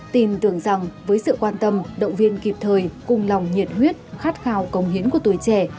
tin tưởng rằng với sự quan tâm động viên kịp thời cùng lòng nhiệt huyết khát khao công hiến của tuổi trẻ